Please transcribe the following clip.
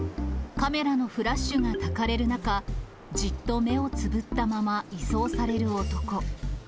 カメラのフラッシュがたかれる中、じっと目をつぶったまま移送される男。